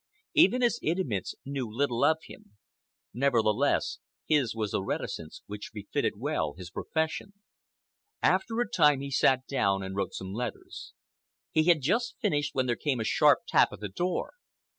Even his intimates knew little of him. Nevertheless, his was the reticence which befitted well his profession. After a time he sat down and wrote some letters. He had just finished when there came a sharp tap at the door.